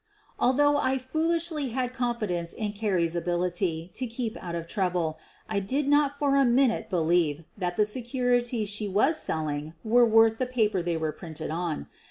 Although I foolishly had confidence in Carrie's ability to keep out of trouble, I did not for a minute believe that the securities she was selling were worth the paper they were printed on.